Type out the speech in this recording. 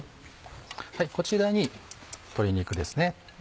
こちらに鶏肉ですね。